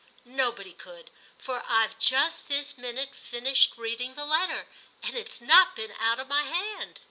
nobody could, for I've just this minute finished reading the letter, and it's not been out of my hand.'